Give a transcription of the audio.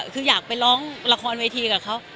คืออยากไปร้องละครเวทีกับเขา